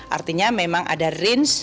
artinya memang ada yang menanggung kita